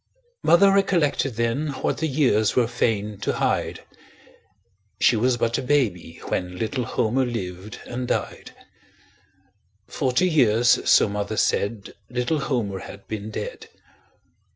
Mother recollected then What the years were fain to hide She was but a baby when Little Homer lived and died; Forty years, so mother said, Little Homer had been dead.